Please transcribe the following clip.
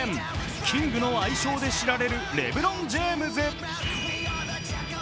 キングの愛称で知られるレブロン・ジェームズ。